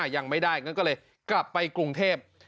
ยังไม่ได้งั้นก็เลยกลับไปกรุงเทพ